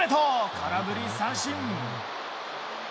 空振り三振！